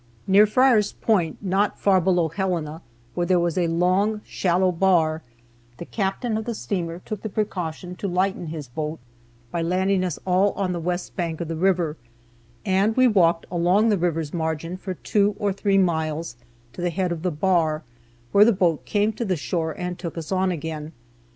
Near Friar's Point, not far below Helena, where there was a long, shallow bar, the captain of the steamer took the precaution to lighten his boat by landing us all on the west bank of the river, and we walked along the river's margin for two or three miles to the head of the bar, where the boat came to the shore, and took us on again.